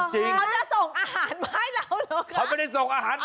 อ๋อเหรอ